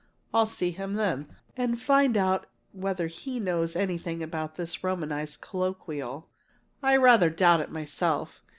I'll see him then, and find out whether he knows anything about this Romanized Colloquial. I rather doubt it myself.